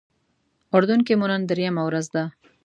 اردن کې مو نن درېیمه ورځ ده.